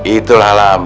itu lah alam